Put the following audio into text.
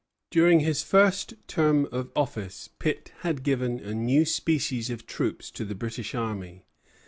During his first short term of office, Pitt had given a new species of troops to the British army.